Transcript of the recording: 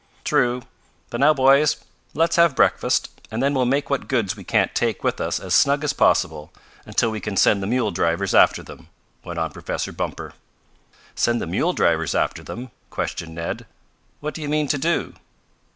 "True. But now, boys, let's have breakfast, and then we'll make what goods we can't take with us as snug as possible, until we can send the mule drivers after them," went on Professor Bumper. "Send the mule drivers after them?" questioned Ned. "What do you mean to do?"